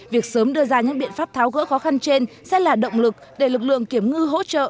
việc sớm đưa ra những biện pháp tháo gỡ khó khăn trên sẽ là động lực để lực lượng kiểm ngư hỗ trợ